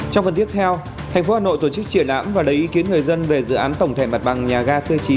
trong phần tiếp theo thành phố hà nội tổ chức triển lãm và lấy ý kiến người dân về dự án tổng thể mặt bằng nhà ga c chín